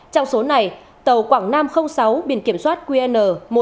trong số này tàu quảng nam sáu biển kiểm soát qn một nghìn sáu trăm chín mươi bốn